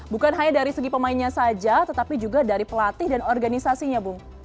bukan hanya dari segi pemainnya saja tetapi juga dari pelatih dan organisasinya bung